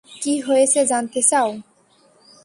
কী হয়েছে জানতে চাও?